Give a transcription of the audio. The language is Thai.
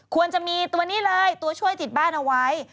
ควรจะมีตัวนี้เลยตัวช่วยติดบ้านเอาไว้